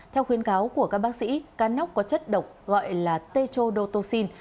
theo khuyến cáo của các bác sĩ cá nóc có chất độc gọi là t chodotoxin